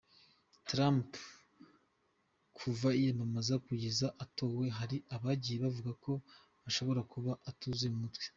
Trump kuva yiyamamaza kugeza atowe hari abagiye bavuga ko ashobora kuba atuzuye mu mutwe.